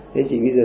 thế chị bây giờ